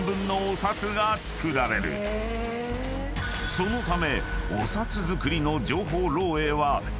［そのため］